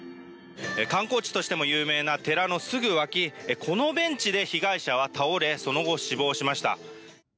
観光地としても有名な寺のすぐ脇このベンチで被害者は倒れその後、死亡しました。